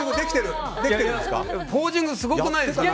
ポージングすごくないですか？